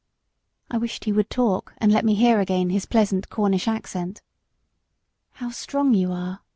I wished he would talk, and let me hear again his pleasant Cornish accent. "How strong you are!"